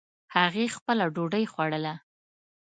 هغې خپله ډوډۍ خوړله